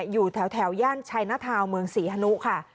อยู่แถวย่านชัยนทาวน์เมืองศรีฮนุค่ะ